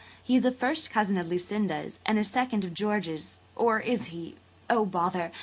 He is a first cousin of Lucinda's and a second of George's–or is he? Oh, bother!